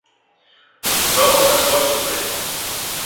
Ho troba un esforç sobrer.